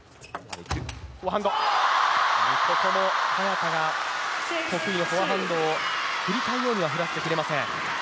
ここも、早田が得意のフォアハンドを振りたいようには振らせてくれません。